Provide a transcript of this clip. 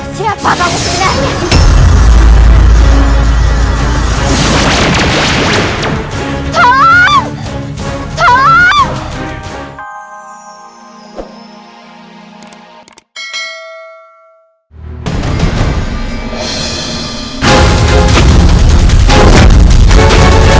siapa kamu sebenarnya